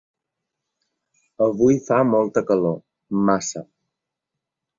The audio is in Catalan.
Avui fa molta calor, massa.